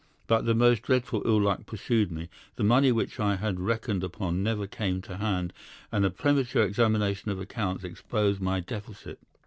But the most dreadful ill luck pursued me. The money which I had reckoned upon never came to hand, and a premature examination of accounts exposed my deficit.